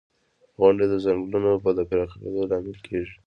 • غونډۍ د ځنګلونو د پراخېدو لامل کېږي.